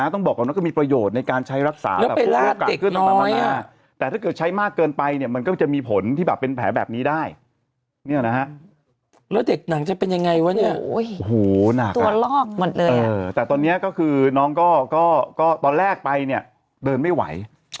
ตัวลอกหมดเลยอ่ะแต่ตอนนี้ก็คือน้องก็ตอนแรกไปเนี่ยเดินไม่ไหว